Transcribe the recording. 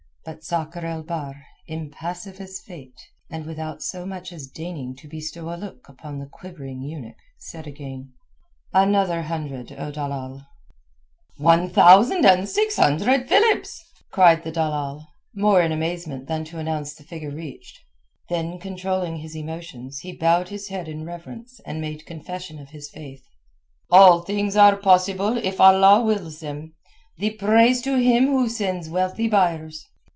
But Sakr el Bahr, impassive as Fate, and without so much as deigning to bestow a look upon the quivering eunuch, said again— "Another hundred, O dalal." "One thousand and six hundred philips!" cried the dalal, more in amazement than to announce the figure reached. Then controlling his emotions he bowed his head in reverence and made confession of his faith. "All things are possible if Allah wills them. The praise to Him who sends wealthy buyers."